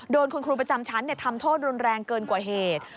โดนคุณครูประจำชั้นทำโทษรุนแรงเกินกว่าเหตุ